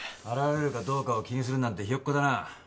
現れるかどうかを気にするなんてひよっこだな。